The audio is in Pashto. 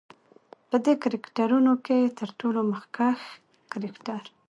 په دې کرکترونو کې تر ټولو مخکښ کرکتر